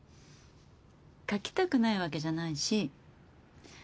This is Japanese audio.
描きたくないわけじゃないし。